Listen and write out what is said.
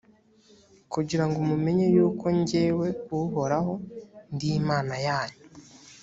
kugira ngo mumenye yuko jyewe uhoraho ndi imana yanyu.